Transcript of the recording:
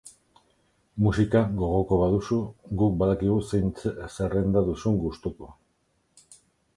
Musika gogoko baduzu, guk badakigu zein zerrenda duzun gustuko!